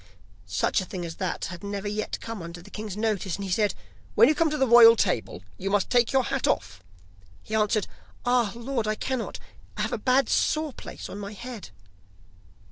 Such a thing as that had never yet come under the king's notice, and he said: 'When you come to the royal table you must take your hat off.' He answered: 'Ah, Lord, I cannot; I have a bad sore place on my head.